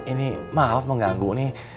ini maaf mengganggu nih